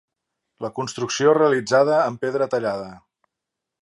La construcció realitzada amb pedra tallada.